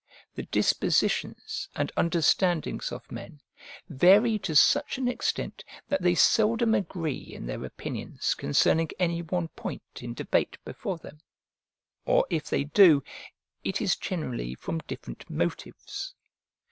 The dispositions and understandings of men vary to such an extent that they seldom agree in their opinions concerning any one point in debate before them; or, if they do, it is generally from different motives.